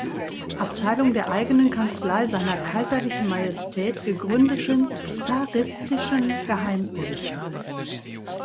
Abteilung der eigenen Kanzlei seiner Kaiserlichen Majestät" gegründeten zaristischen Geheimpolizei.